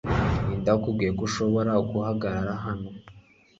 Ninde wakubwiye ko ushobora guhagarara hano